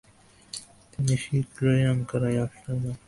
তিনি শীঘ্রই আঙ্কারায় আশ্রয় নেবেন।